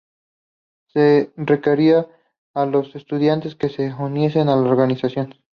Se requería a los estudiantes que se uniesen a la organización.